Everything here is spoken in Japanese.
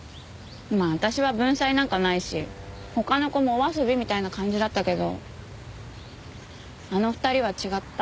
まあ私は文才なんかないし他の子もお遊びみたいな感じだったけどあの２人は違った。